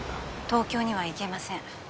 東京には行けません